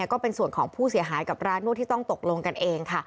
ก็เป็นส่วนของผู้เสียหายกับร้านนวดที่ต้องตกลงกันเองค่ะ